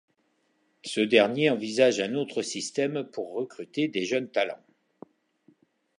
Ce dernier envisage un autre système pour recruter des jeunes talents.